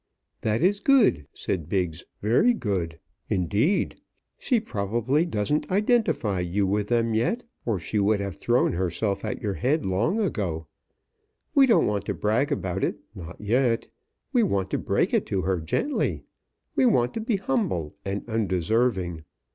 "That is good," said Biggs; "very good, indeed. She probably doesn't identify you with them yet, or she would have thrown herself at your head long ago. We don't want to brag about it not yet. We want to break it to her gently. We want to be humble and undeserving.